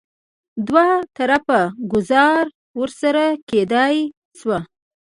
دوه طرفه ګوزاره ورسره کېدای شوه.